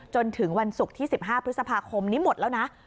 จนถึงวันศุกร์ที่๑๕พฤษภาคมนี้หมดแล้วนะ